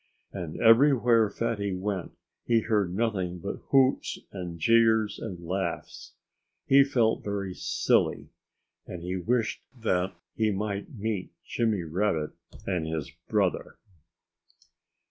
And everywhere Fatty went he heard nothing but hoots and jeers and laughs. He felt very silly. And he wished that he might meet Jimmy Rabbit and his brother.